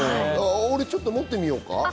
俺、ちょっと持ってみようか。